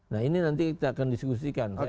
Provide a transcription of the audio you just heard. nah ini nanti kita akan diskusikan